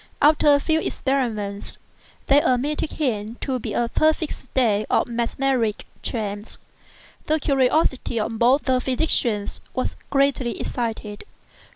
After a few experiments, they admitted him to be an unusually perfect state of mesmeric trance. The curiosity of both the physicians was greatly excited.